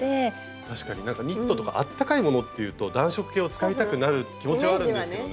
確かにニットとかあったかいものっていうと暖色系を使いたくなる気持ちはあるんですけどね。